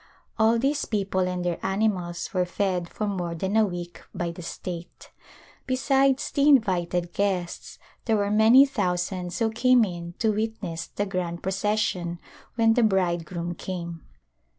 All these people and their animals were fed for more than a week by the state. Besides the invited guests there were many thousands who came in to witness the grand proces sion when the bridegroom came.